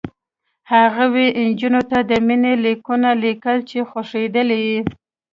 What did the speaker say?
هغو نجونو ته د مینې لیکونه لیکل چې خوښېدلې یې